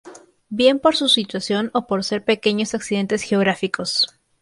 Bien por su situación o por ser pequeños accidentes geográficos.